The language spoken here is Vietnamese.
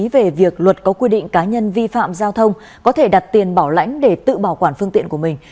về việc luật có quy định cá nhân vi phạm giao thông có thể đặt tiền bảo lãnh để tự bảo quản phương tiện của mình